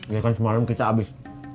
ya kan semalem kita abis